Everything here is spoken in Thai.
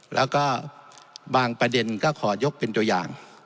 แล้วก็บางประเด็นก็ขอยกเป็นตัวอย่าง